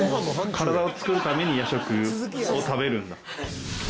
体を作るために夜食を食べるんだ。